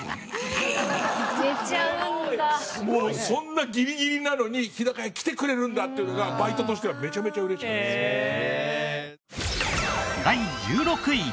そんなギリギリなのに日高屋来てくれるんだっていうのがバイトとしてはめちゃめちゃ嬉しかった。